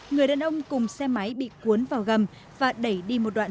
người đàn ông cùng xe máy bị cuốn vào gầm và đẩy đi một đoạn